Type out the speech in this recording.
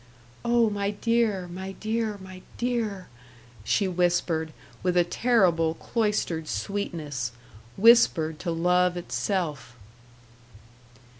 "Oh, my dear, my dear, my dear!" she whispered, with a terrible cloistered sweetness whispered to love itself.